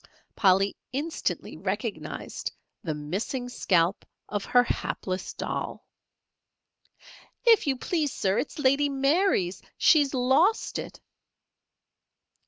Polly instantly recognized the missing scalp of her hapless doll. "If you please, Sir, it's Lady Mary's. She's lost it."